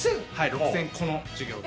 ６０００個の授業が。